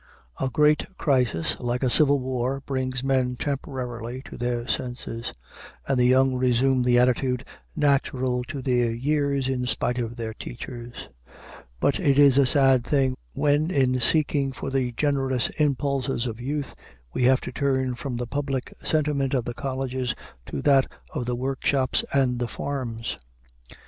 A great crisis like a civil war brings men temporarily to their senses, and the young resume the attitude natural to their years, in spite of their teachers; but it is a sad thing when, in seeking for the generous impulses of youth, we have to turn from the public sentiment of the colleges to that of the workshops and the farms.